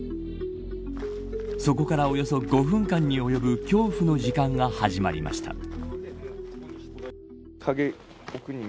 そこから、およそ５分間に及ぶ恐怖の時間が始まりました。